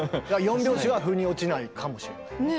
４拍子はふに落ちないかもしれないね。